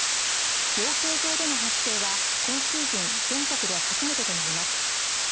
養鶏場での発生は今シーズン全国で初めてとなります。